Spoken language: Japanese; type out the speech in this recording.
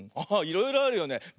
いろいろあるよね。